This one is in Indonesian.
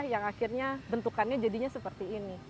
yang akhirnya bentukannya jadinya seperti ini